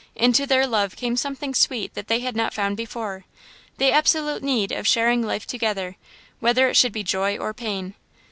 Into their love came something sweet that they had not found before the absolute need of sharing life together, whether it should be joy or pain.